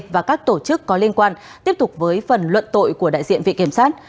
và các tổ chức có liên quan tiếp tục với phần luận tội của đại diện viện kiểm sát